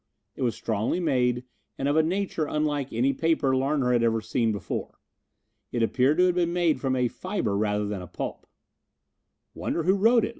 It was strongly made, and of a nature unlike any paper Larner had ever seen before. It appeared to have been made from a fiber rather than a pulp. "Wonder who wrote it?"